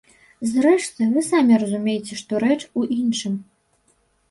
Зрэшты, вы самі разумееце, што рэч у іншым.